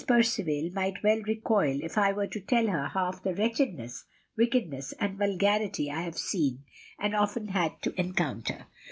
Percivale might well recoil if I were to tell her half the wretchedness, wickedness, and vulgarity I have seen, and often had to encounter.